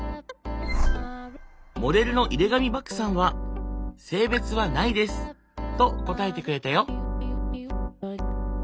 モデルの井手上漠さんは「性別は無いです」と答えてくれたよ。